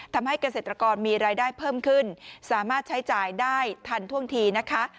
ทำให้เกษตรกรมีรายได้เพิ่มขึ้นสามารถใช้จ่ายได้ทันท่วงทีนะคะ